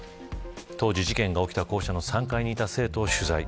当時事件が起きた校舎の３階にいた生徒を取材。